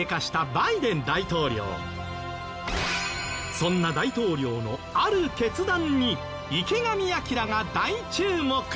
そんな大統領のある決断に池上彰が大注目！